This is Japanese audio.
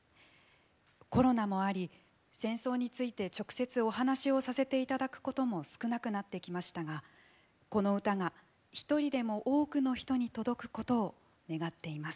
コロナもあり戦争について直接お話をさせていただくことも少なくなってきましたがこの歌が一人でも多くの人に届くことを願っています」。